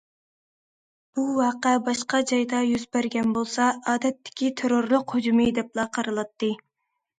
بۇ ۋەقە باشقا جايدا يۈز بەرگەن بولسا، ئادەتتىكى تېررورلۇق ھۇجۇمى، دەپلا قارىلاتتى.